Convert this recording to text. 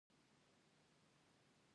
هره دوره تقریبا دولس اونۍ وخت نیسي.